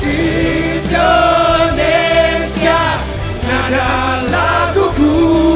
indonesia nada laguku